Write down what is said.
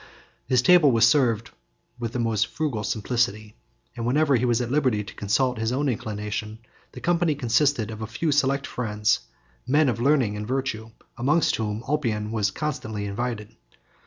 His table was served with the most frugal simplicity, and whenever he was at liberty to consult his own inclination, the company consisted of a few select friends, men of learning and virtue, amongst whom Ulpian was constantly invited.